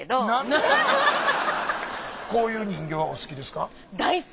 こういう人形はお好きですか？